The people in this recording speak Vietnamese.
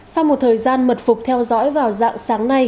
sau một thời gian mật phục theo dõi vào dạng sáng nay